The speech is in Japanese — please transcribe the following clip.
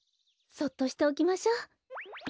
そっとしておきましょ。